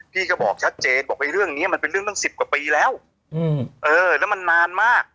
พี่ก็บอกชัดเจนบอกไอ้เรื่องเนี้ยมันเป็นเรื่องตั้งสิบกว่าปีแล้วเออแล้วมันนานมาก